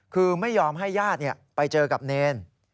คือไม่ยอมให้ญาติไปเจอกับเนร